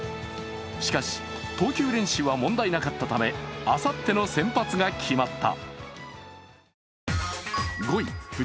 しかし投球練習は問題なかったためあさっての先発が決まった。